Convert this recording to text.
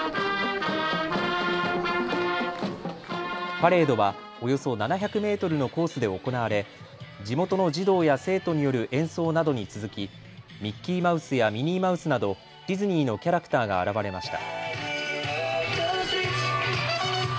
パレードはおよそ７００メートルのコースで行われ地元の児童や生徒による演奏などに続きミッキーマウスやミニーマウスなどディズニーのキャラクターが現れました。